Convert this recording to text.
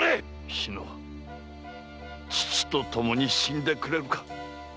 志乃父と共に死んでくれるか。